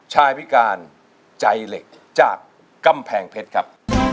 พิการใจเหล็กจากกำแพงเพชรครับ